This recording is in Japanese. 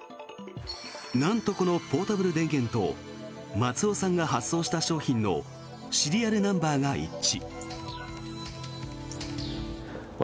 何と、このポータブル電源と松尾さんが発送した商品のシリアルナンバーが一致。